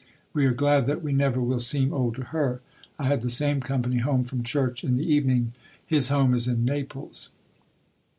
We are glad that we never will seem old to her. I had the same company home from church in the evening. His home is in Naples.